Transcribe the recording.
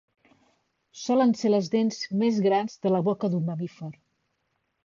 Solen ser les dents més grans de la boca d'un mamífer.